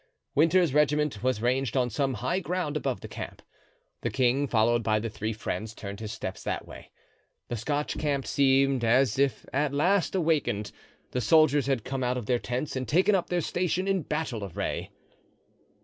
Winter's regiment was ranged on some high ground above the camp. The king, followed by the three friends, turned his steps that way. The Scotch camp seemed as if at last awakened; the soldiers had come out of their tents and taken up their station in battle array.